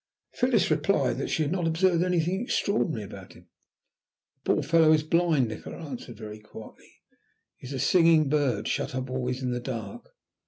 Phyllis replied that she had not observed anything extraordinary about him. "The poor fellow is blind," Nikola answered very quietly. "He is a singing bird shut up always in the dark.